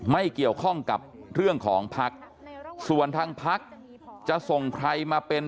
ไม่เกี่ยวข้องกับเรื่องของภักดิ์ส่วนทางพักจะส่งใครมาเป็น